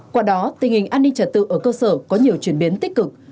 qua đó tình hình an ninh trật tự ở cơ sở có nhiều chuyển biến tích cực